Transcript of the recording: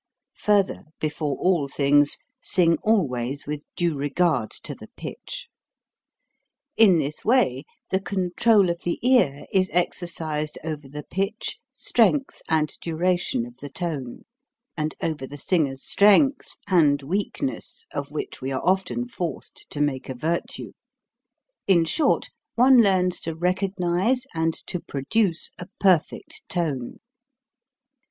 Further, before all things, sing always with due regard to the pitch. In this way the control of the ear is exer cised over the pitch, strength, and duration of the tone, and over the singer's strength and weakness, of which we are often forced to make a virtue. In short, one learns to recognize and to produce a perfect tone.